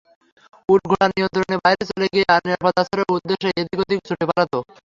উট-ঘোড়া নিয়ন্ত্রণের বাইরে চলে গিয়ে নিরাপদ আশ্রয়ের উদ্দেশে এদিক-ওদিক ছুটে পালাত।